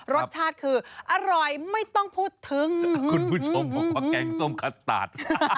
รสชาติคืออร่อยไม่ต้องพูดถึงคุณผู้ชมบอกว่าแกงส้มคัสตาร์ท